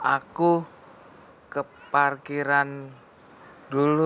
aku ke parkiran dulu